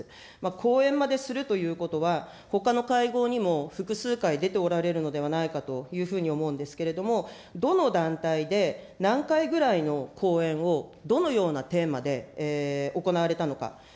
講演までするということは、ほかの会合にも複数回出ておられるのではないかというふうに思うんですけれども、どの団体で何回ぐらいの講演を、どのようなテーマで行われたのか。